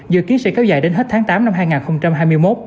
dự kiến sẽ kéo dài đến hết tháng tám năm hai nghìn hai mươi một